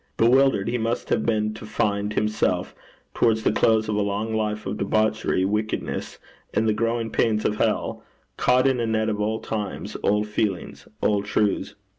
Bewildered he must have been to find himself, towards the close of a long life of debauchery, wickedness, and the growing pains of hell, caught in a net of old times, old feelings, old truths.